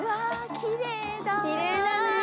きれいだね！